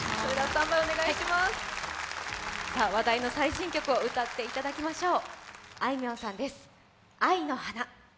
話題の最新曲を歌っていただきましょう。